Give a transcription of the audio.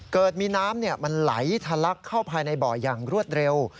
เกิดมีน้ำมันไหลทะลักเข้าภายในบ่ออย่างรวดเร็ว